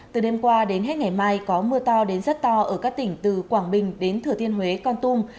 từ đêm qua đến hết ngày mai có mưa to đến rất to ở các tỉnh từ quảng bình đến thừa thiên huế con tum